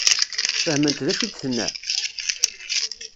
Fehment d acu i d-tenna?